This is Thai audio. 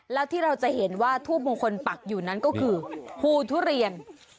แล้วที่เราจะเห็นว่าทูบมงคลปักอยู่นั้นก็คือภูทุเรียน